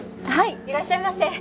はいいらっしゃいませ。